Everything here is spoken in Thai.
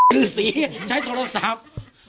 ฤษีใช้โทรศัพท์